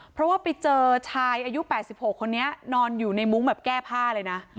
เพราะว่าไปเจอชายอายุ๘๖คนนี้นอนอยู่ในมุ้งแบบแก้ผ้าเลยนะ